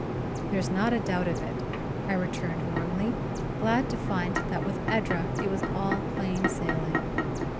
"There's not a doubt of it!" I returned warmly, glad to find that with Edra it was all plain sailing.